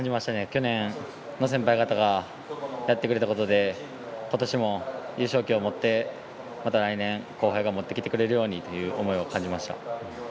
去年の先輩方がやってくれたことで今年も優勝旗を持って、また来年後輩が持ってきてくれるようにという思いを感じました。